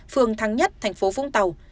phường thắng nhất thành phố vũng tàu